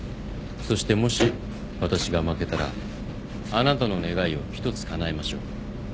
そしてもし私が負けたらあなたの願いを一つかなえましょう。